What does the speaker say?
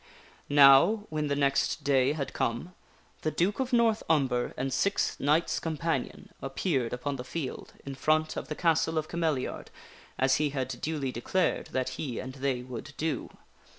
NOW, when the next day had come, the Duke of North Umber and six knights companion appeared upon the field in front of the castle of Cameliard as he had duly declared that he and they would do.